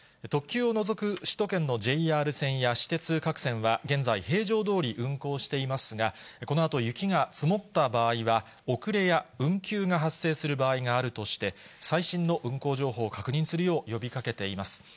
特急を除く首都圏のＪＲ線や私鉄各線は現在、平常どおり運行していますが、このあと雪が積もった場合は、遅れや運休が発生する場合があるとして、最新の運行情報を確認するよう呼びかけています。